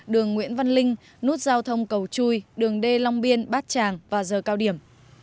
đường nguyễn văn linh nút giao thông cầu chui đường đê long biên bát tràng và giờ cao điểm